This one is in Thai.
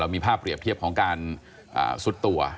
มีภาพเปรียบเทียบของการซุดตัว